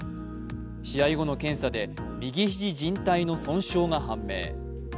試合後の検査で右肘じん帯の損傷が判明。